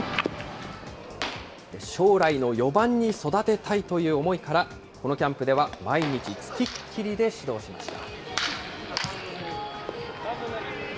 将来の４番に育てたいという思いから、このキャンプでは毎日付きっきりで指導しました。